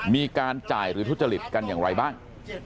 มีการจ่ายหรือทุจริตกันอย่างไรบ้าง